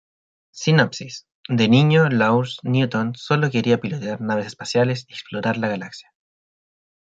Sinopsis: De niño, Lawrence Newton solo quería pilotar naves espaciales y explorar la galaxia.